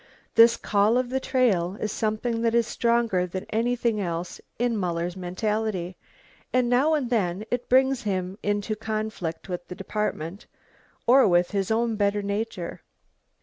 This call of the trail is something that is stronger than anything else in Muller's mentality, and now and then it brings him into conflict with the department,... or with his own better nature.